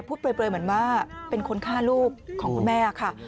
เปลยเหมือนว่าเป็นคนฆ่าลูกของคุณแม่ค่ะ